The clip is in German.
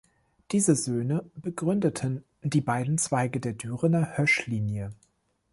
Diese Söhne begründeten die beiden Zweige der Dürener Hoesch-Linie.